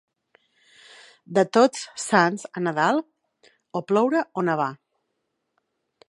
De Tots Sants a Nadal, o ploure o nevar.